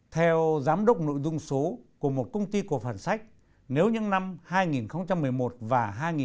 theo giám đốc nội dung số của một công ty cổ phần sách nếu những năm hai nghìn một mươi một và hai nghìn một mươi